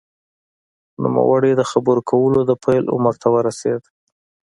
نوموړی د خبرو کولو د پیل عمر ته ورسېد